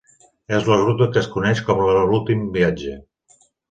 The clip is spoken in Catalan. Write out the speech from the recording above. És la ruta que es coneix com la de l'últim viatge.